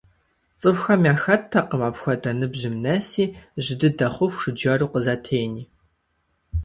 ЦӀыхухэм яхэттэкъым апхуэдэ ныбжьым нэси, жьы дыдэ хъуху жыджэру къызэтени.